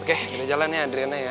oke kita jalan ya adriannya ya